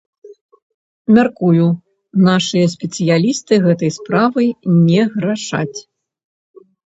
Мяркую, нашыя спецыялісты гэтай справай не грашаць.